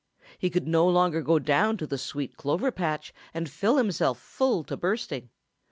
He could no longer go down to the sweet clover patch and fill himself full to bursting.